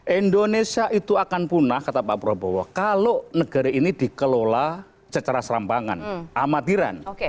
indonesia itu akan punah kata pak prabowo kalau negara ini dikelola secara serampangan amatiran